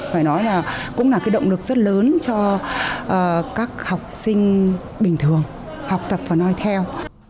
phải nói là cũng là cái động lực rất lớn cho các học sinh bình thường học tập và nói theo